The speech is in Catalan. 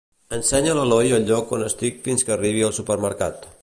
Ensenya a l'Eloi el lloc on estic fins que arribi al supermercat.